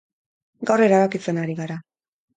Gaur, erabakitzen ari gara.